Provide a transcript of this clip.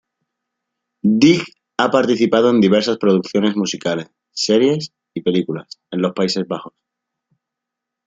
Dijk ha participado en diversas producciones musicales, series, y películas, en los Países Bajos.